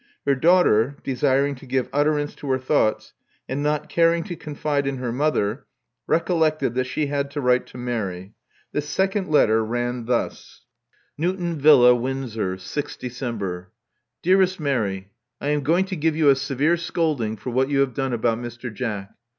Her daughter, desiring to give utterance to her thoughts, and not caring to confide in her mother, recollected that she had to write to Mary. This second letter ran thus: I'^o Love Among the Artists o ••Newton Villa, Windsor. "6th September. Dearest Mary: — I am going to give you a severe scolding for what you have done about Mr. Jack.